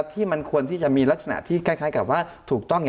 ที่มันควรที่จะมีลักษณะที่คล้ายกับว่าถูกต้อง